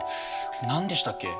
何でしたっけ？